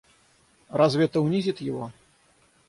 Разве это унизит его?